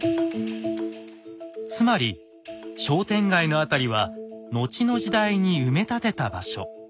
つまり商店街の辺りは後の時代に埋め立てた場所。